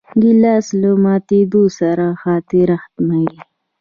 ګیلاس له ماتېدو سره خاطره ختموي.